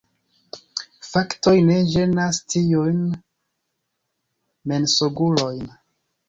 Faktoj ne ĝenas tiujn mensogulojn.